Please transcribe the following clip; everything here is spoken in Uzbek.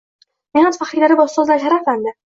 Mehnat faxriylari va ustozlar sharaflandi